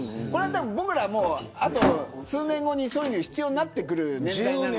僕ら、あと数年後にそういうのが必要になってくる年代なので。